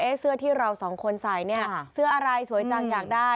เสื้อที่เราสองคนใส่เนี่ยเสื้ออะไรสวยจังอยากได้